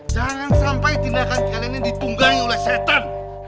jangan sampai tindakan kalian ini ditunggangi oleh setan